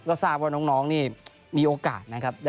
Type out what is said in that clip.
ก็ทราบว่าน้องนี่มีโอกาสนะครับ